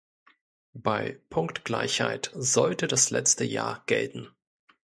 Bei Punktgleichheit sollte das letzte Jahr gelten.